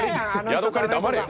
ヤドカリ黙れよ。